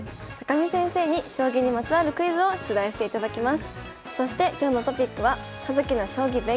見先生からは将棋の雑学に関するクイズを出題していただきます。